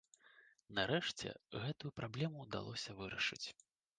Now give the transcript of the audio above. Нарэшце гэтую праблему ўдалося вырашыць.